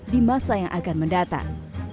di masa yang akan mendatang